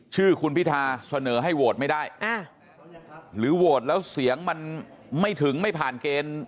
ชื่อคุณพิธาเสนอให้โหวตไม่ได้หรือโหวตแล้วเสียงมันไม่ถึงไม่ผ่านเกณฑ์